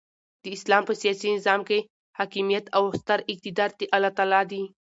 د اسلام په سیاسي نظام کښي حاکمیت او ستر اقتدار د االله تعالى دي.